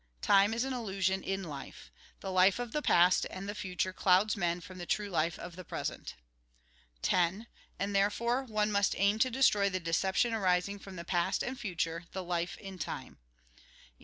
Time is an illusion in life ; the life of the past and the future clouds men from the true life of the present. 10. And therefore, one must aim to destroy the deception arising from the past and future, the life in time. 11.